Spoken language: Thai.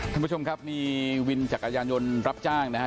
คุณผู้ชมครับมีวินจักรยานยนต์รับจ้างนะฮะ